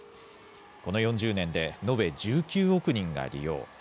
この４０年で延べ１９億人が利用。